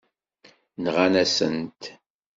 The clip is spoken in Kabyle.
Nɣan-asen-t.